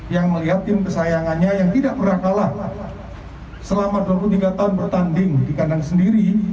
yang melihat tim kesayangannya yang tidak pernah kalah selama dua puluh tiga tahun bertanding di kandang sendiri